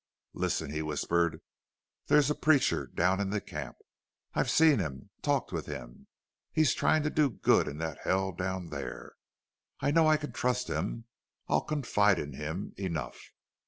"Listen," he whispered. "There's a preacher down in camp. I've seen him talked with him. He's trying to do good in that hell down there. I know I can trust him. I'll confide in him enough.